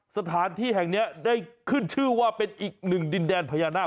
สถานที่แห่งนี้ได้ขึ้นชื่อว่าเป็นอีกหนึ่งดินแดนพญานาค